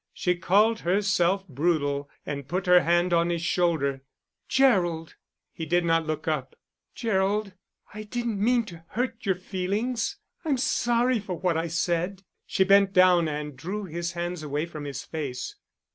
She called herself brutal, and put her hand on his shoulder. "Gerald!" He did not look up. "Gerald, I didn't mean to hurt your feelings. I'm sorry for what I said." She bent down and drew his hands away from his face.